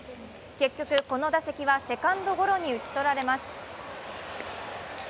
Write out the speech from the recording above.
結局この打席はセカンドゴロに打ち取られます